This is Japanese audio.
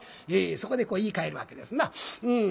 そこでこう言いかえるわけですなうん。